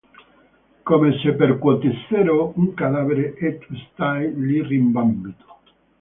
Come se percuotessero un cadavere, e tu stai lì rimbambito.